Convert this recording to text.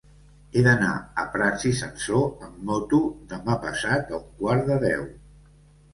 He d'anar a Prats i Sansor amb moto demà passat a un quart de deu.